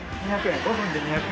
５分で２００円なので。